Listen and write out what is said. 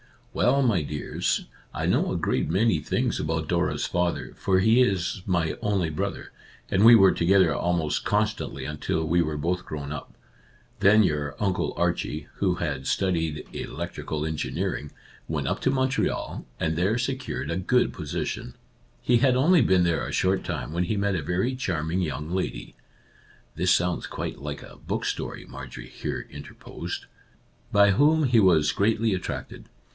" Well, my dears, I know a great many things about Dora's father, for he is my only brother, and we were together almost con stantly until we were both grown up. Then your Uncle Archie, who had studied electrical 12 Our Little Canadian Cousin engineering, went up to Montreal, and there secured a good position. He had only been there a short time when he met a very charm ing young lady "(" This sounds quite like a book story," Marjorie here interposed) " by whom he was greatly attracted.